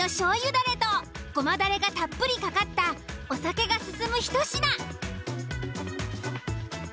だれと胡麻だれがたっぷりかかったお酒が進むひと品。